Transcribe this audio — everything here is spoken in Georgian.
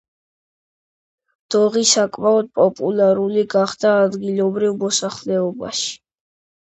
დოღი საკმაოდ პოპულარული გახდა ადგილობრივ მოსახლეობაში.